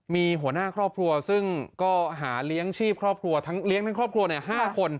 มีหัวหน้าครอบครัวซึ่งก็หาเลี้ยงชีพครอบครัวทั้งเลี้ยงทั้งครอบครัว๕คน